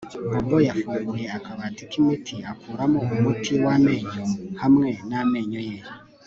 Bobo yafunguye akabati kimiti akuramo umuti wamenyo hamwe namenyo ye